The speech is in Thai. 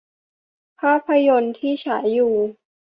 ภาพยนตร์ที่ฉายอยู่